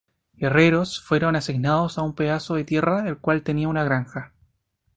Guerreros fueron asignados a un pedazo de tierra el cual tenía una granja.